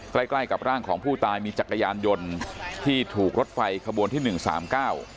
ใกล้ใกล้กับร่างของผู้ตายมีจักรยานยนต์ที่ถูกรถไฟขบวนที่หนึ่งสามเก้า